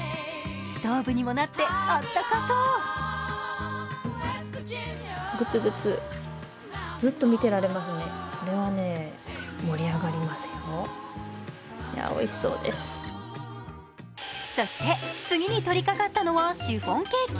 ストーブにもなって、あったかそうそして、次に取りかかったのはシフォンケーキ。